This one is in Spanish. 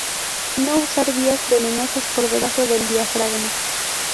No usar vías venosas por debajo del diafragma.